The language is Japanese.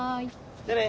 じゃあね。